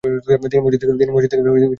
তিনি মসজিদ থেকে বাহির হলেন ।